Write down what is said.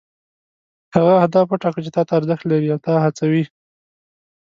هغه اهداف وټاکه چې تا ته ارزښت لري او تا هڅوي.